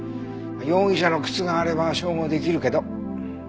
容疑者の靴があれば照合できるけど。